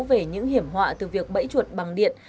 về những hiểm họa từ việc bẫy chuột bằng điện